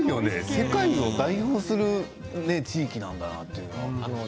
世界を代表する地域なんだなと思いますね。